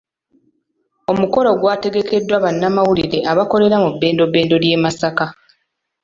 Omukolo gwategekeddwa bannamawulire abakolera mu bbendobendo ly'e Masaka.